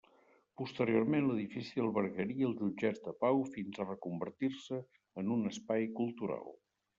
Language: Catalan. Posteriorment, l'edifici albergaria els jutjats de pau fins a reconvertir-se en un espai cultural.